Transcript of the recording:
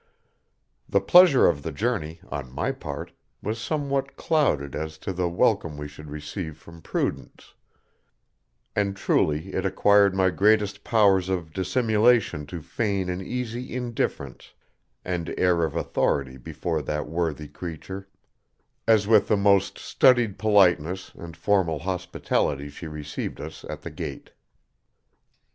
The pleasure of the journey, on my part, was somewhat clouded as to the welcome we should receive from Prudence, and truly it acquired my greatest powers of dissimulation to feign an easy indifference and air of authority before that worthy creature, as with the most studied politeness and formal hospitality she received us at the gate.